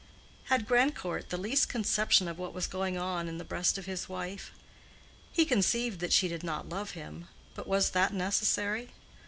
Had Grandcourt the least conception of what was going on in the breast of his wife? He conceived that she did not love him; but was that necessary?